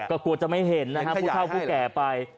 ก็กลัวจะไม่เห็นนะครับผู้เท่าผู้แก่ไป